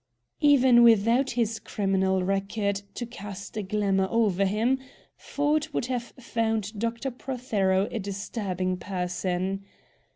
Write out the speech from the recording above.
Even without his criminal record to cast a glamour over him, Ford would have found Dr. Prothero, a disturbing person.